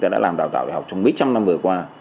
đã làm đào tạo đại học trong mấy trăm năm vừa qua